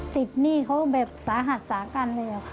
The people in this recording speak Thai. หนี้เขาแบบสาหัสสากันเลยค่ะ